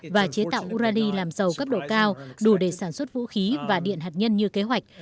và chế tạo urani làm dầu cấp độ cao đủ để sản xuất vũ khí và điện hạt nhân như kế hoạch